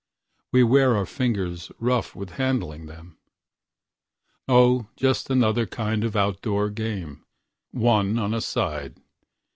We wear our fingers rough with handling them. Oh, just another kind of out door game, One on a side.